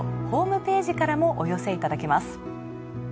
ホームページからもお寄せいただけます。